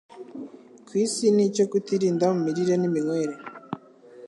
ku isi ni icyo kutirinda mu mirire n’iminywere.